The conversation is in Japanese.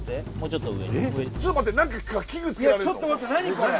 ちょっと待って何これ？